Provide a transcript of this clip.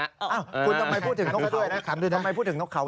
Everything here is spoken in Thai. คุณทำไมพูดถึงนกเขาด้วยนะขันดูนะ